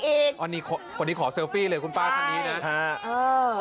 อันนี้ขอเซอร์ฟี่เลยครับครับครับ